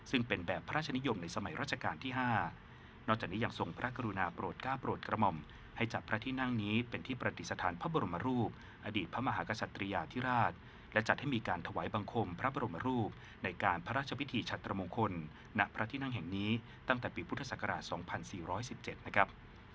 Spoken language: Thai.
ซึ่งเป็นแบบพระราชนิยมในสมัยราชการที่๕นอกจากนี้ยังทรงพระกรุณาโปรดก้าวโปรดกระหม่อมให้จัดพระที่นั่งนี้เป็นที่ประดิษฐานพระบรมรูปอดีตพระมหากษัตริยาธิราชและจัดให้มีการถวายบังคมพระบรมรูปในการพระราชพิธีชัตรมงคลณพระที่นั่งแห่งนี้ตั้งแต่ปีพุทธศักราช๒๔๑๗นะครับ